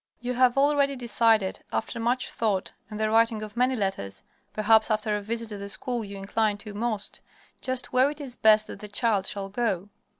You have already decided, after much thought and the writing of many letters perhaps after a visit to the school you incline to most just where it is best that the child shall go.